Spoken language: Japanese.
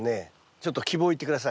ちょっと希望を言って下さい。